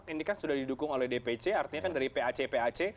ini kan sudah didukung oleh dpc artinya kan dari pac pac